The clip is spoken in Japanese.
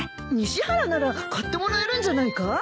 西原なら買ってもらえるんじゃないか？